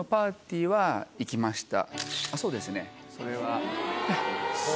そうですねそれは。